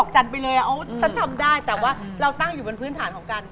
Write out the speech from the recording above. จะเลิกไงค่ะ